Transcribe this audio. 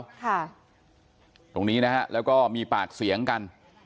ตรงนี้นะฮะแล้วก็มีปากเสียงกัน